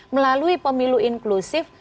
melalui pemilu inklusif